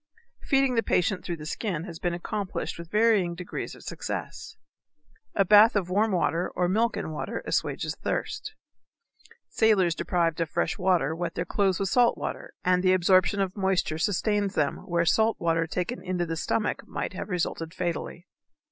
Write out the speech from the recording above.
Feeding the patient through the skin has been accomplished with varying degrees of success. A bath of warm water or milk and water assuages thirst. Sailors deprived of fresh water wet their clothes with salt water, and the absorption of moisture sustains them where salt water taken into the stomach might have resulted fatally.